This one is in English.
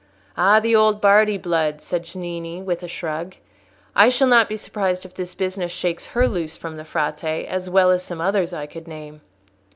"Ah, the old Bardi blood!" said Cennini, with a shrug. "I shall not be surprised if this business shakes her loose from the Frate, as well as some others I could name."